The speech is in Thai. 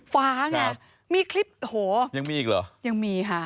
ไงมีคลิปโหยังมีอีกเหรอยังมีค่ะ